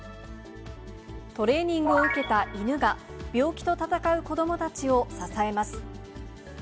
トレーニングを受けた犬が、病気と闘う子どもたちを支えます。